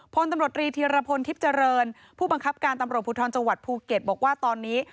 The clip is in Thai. พตำรวจรีธีรพทิพจรผู้บังคับการตำรวจพพูเก็ตบอกว่าตอนนี้